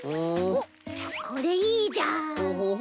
おっこれいいじゃん。